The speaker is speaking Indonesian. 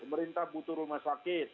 pemerintah butuh rumah sakit